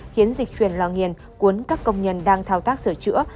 khiến dịch truyền lò nghiền cuốn các công nhân đang thao tác sửa chữa